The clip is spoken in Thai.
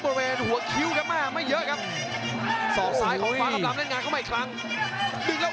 บริเวณหัวคิ้วกันมากไม่เยอะครับสองซ้ายของฟ้าครับรามเล่นงานเข้ามาอีกครั้ง